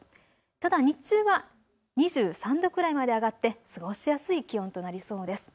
ただ日中は２３度くらいまで上がって過ごしやすい気温となりそうです。